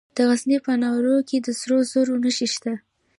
د غزني په ناوور کې د سرو زرو نښې شته.